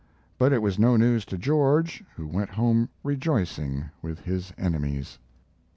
But it was no news to George, who went home rejoicing with his enemies.